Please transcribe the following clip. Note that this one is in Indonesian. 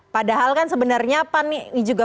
padahal kan sebenarnya pan ini juga